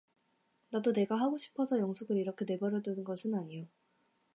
나도 내가 하고 싶어서 영숙을 이렇게 내버려둔 것은 아니요.